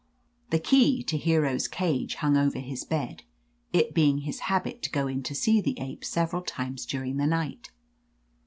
The key to Hero's cage hung over his bed, it be ing his habit to go in to see the ape several times during the night.